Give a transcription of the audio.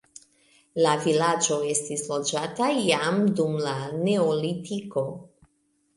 La vilaĝo estis loĝata jam dum la neolitiko.